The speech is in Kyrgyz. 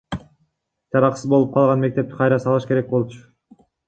Жараксыз болуп калган мектепти кайра салыш керек болчу.